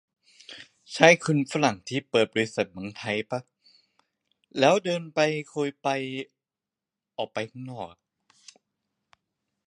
ใช่คุณฝรั่งที่เปิดบริษัทเมืองไทยป่ะ แล้วเดินไปคุยไป ออกไปทางข้างนอก